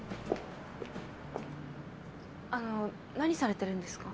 あの何されてるんですか？